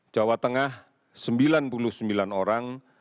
jawa tengah sembilan puluh sembilan orang